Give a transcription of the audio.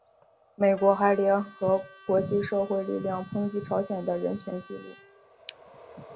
美国还联合国际社会力量抨击朝鲜的人权纪录。